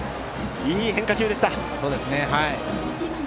いい変化球でした。